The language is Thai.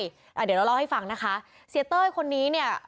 เดี๋ยวเราเล่าให้ฟังนะคะเสียเต้ยคนนี้เนี่ย